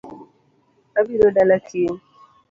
Abiro dala kiny